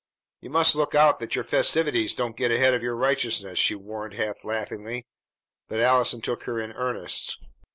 "You must look out that your festivities don't get ahead of your righteousness," she warned half laughingly; but Allison took her in earnest.